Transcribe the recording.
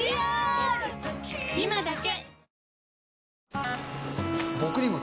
今だけ！